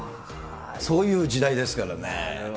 そういう時代ですからね。